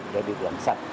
để được làm sạch